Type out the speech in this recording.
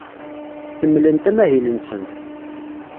Kemmlent amahil-nsent.